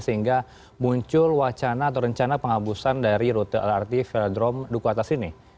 sehingga muncul wacana atau rencana penghabusan dari rute lrt velodrome duku atas ini